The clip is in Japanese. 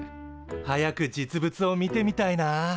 早く実物を見てみたいな。